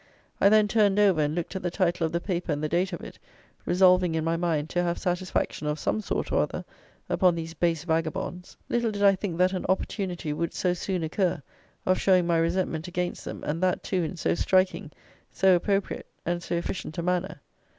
I then turned over, and looked at the title of the paper and the date of it, resolving, in my mind, to have satisfaction, of some sort or other, upon these base vagabonds. Little did I think that an opportunity would so soon occur of showing my resentment against them, and that, too, in so striking, so appropriate, and so efficient a manner.